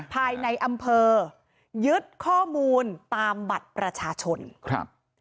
ภายในอำเภอยึดข้อมูลตามบัตรประชาชนครับ